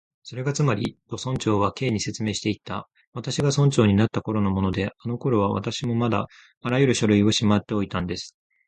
「それがつまり」と、村長は Ｋ に説明していった「私が村長になったころのもので、あのころは私もまだあらゆる書類をしまっておいたんです」